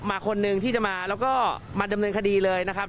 มาคนหนึ่งที่จะมาแล้วก็มาดำเนินคดีเลยนะครับ